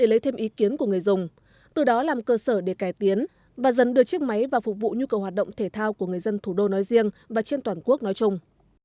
lấy thêm ý kiến của người dùng từ đó làm cơ sở để cải tiến và dần đưa chiếc máy vào phục vụ nhu cầu hoạt động thể thao của người dân thủ đô nói riêng và trên toàn quốc nói chung